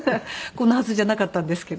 こんなはずじゃなかったんですけど。